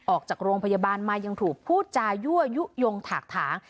ออกจากโรงพยาบาลมายังถูกพูดจายั่วยุโยงถากถาง